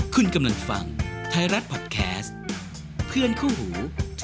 คุณกำลังฟังไทยรัฐพอดแคสต์เพื่อนคู่หู